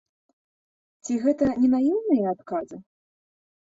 Ці гэта не наіўныя адказы?